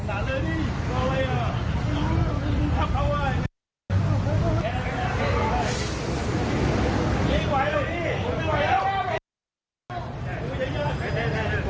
ไอ้พี่ไอ้พี่